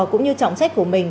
cũng như trọng sách của mình